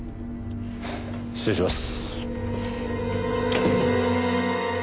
失礼します。